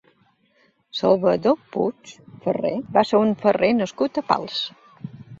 Salvador Puig Ferrer va ser un ferrer nascut a Pals.